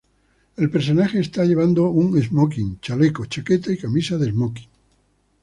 Él personaje está llevando un smoking, chaleco, chaqueta y camisa de esmoquin.